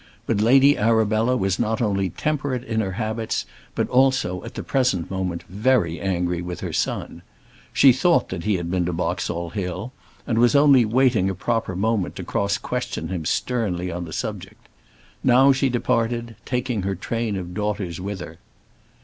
But Lady Arabella was not only temperate in her habits, but also at the present moment very angry with her son. She thought that he had been to Boxall Hill, and was only waiting a proper moment to cross question him sternly on the subject. Now she departed, taking her train of daughters with her.